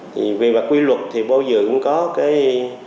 thì về mặt quy luật thì bao giờ cũng có cái